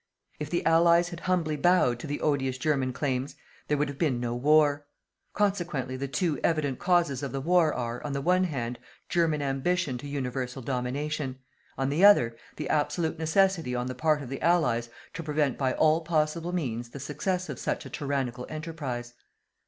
If the Allies had humbly bowed to the odious German claims, there would have been no war. Consequently, the two evident causes of the war are, on the one hand, German ambition to universal domination; on the other, the absolute necessity on the part of the Allies to prevent by all possible means the success of such a tyrannical enterprise.